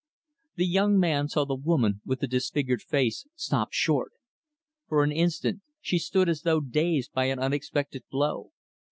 The young man saw the woman with the disfigured face stop short. For an instant, she stood as though dazed by an unexpected blow.